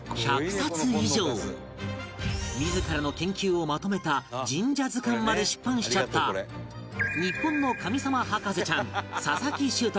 自らの研究をまとめた『神社図鑑』まで出版しちゃった日本の神様博士ちゃん佐々木秀斗